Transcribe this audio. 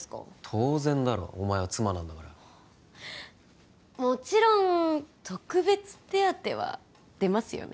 当然だろお前は妻なんだからもちろん特別手当は出ますよね？